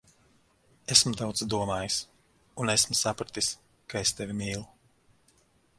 Esmu daudz domājis, un esmu sapratis, ka es tevi mīlu.